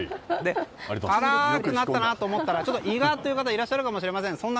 辛くなったなと思ったらちょっと胃がという方いらっしゃるかもしれません。